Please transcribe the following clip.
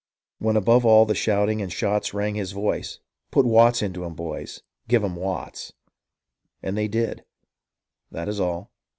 Then above all the shouting and shots Rang his voice —" Put Watts into 'em — boys, give 'em Watts !" And they did. That is all.